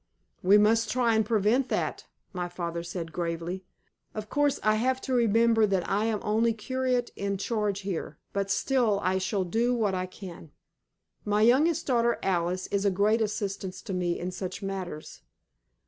"We must try and prevent that," my father said, gravely. "Of course I have to remember that I am only curate in charge here, but still I shall do what I can. My youngest daughter Alice is a great assistance to me in such matters.